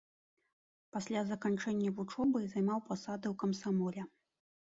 Пасля заканчэння вучобы займаў пасады ў камсамоле.